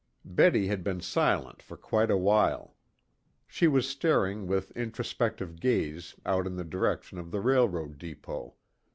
Betty had been silent for quite a while. She was staring with introspective gaze out in the direction of the railroad depot.